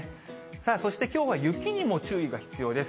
さあそしてきょうは雪にも注意が必要です。